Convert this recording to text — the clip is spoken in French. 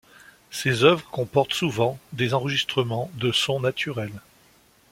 Ses œuvres comportent souvent des enregistrements de sons naturels.